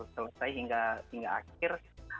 selesai hingga akhir